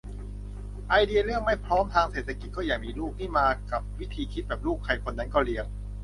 ไอเดียเรื่อง "ไม่พร้อมทางเศรษฐกิจก็อย่ามีลูก" นี่มากับวิธีคิดแบบ ลูกใครคนนั้นก็เลี้ยง